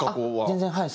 全然はい。